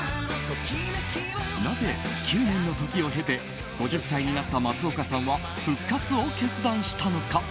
なぜ９年の時を経て５０歳になった松岡さんは復活を決断したのか。